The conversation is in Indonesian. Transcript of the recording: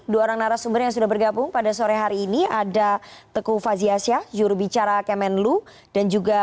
dua orang narasumber yang sudah bergabung